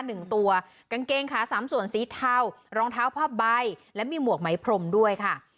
หนึ่งตัวกางเกงขาสามส่วนสีเทารองเท้าผ้าใบและมีหมวกไหมพรมด้วยค่ะ